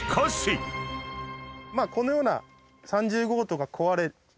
まあこのような３０号棟が。